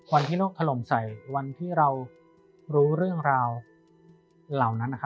วันที่โลกถล่มใส่วันที่เรารู้เรื่องราวเหล่านั้น